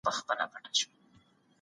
د ټولنپوهنې په برخه کي ډېرې څېړنې وکړئ.